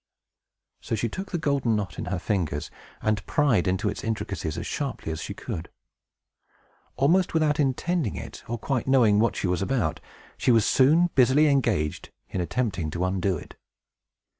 So she took the golden knot in her fingers, and pried into its intricacies as sharply as she could. Almost without intending it, or quite knowing what she was about, she was soon busily engaged in attempting to undo it.